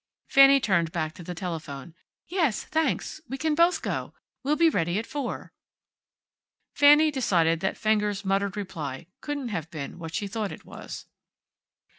Fanny turned back to the telephone. "Yes, thanks. We can both go. We'll be ready at four." Fanny decided that Fenger's muttered reply couldn't have been what she thought it was.